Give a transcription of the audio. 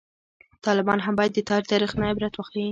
طالبان هم باید د تیر تاریخ نه عبرت واخلي